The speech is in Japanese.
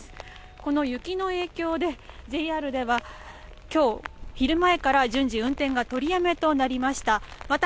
この雪の影響でＪＲでは今日、昼前から順次運転が取りやめとなりました。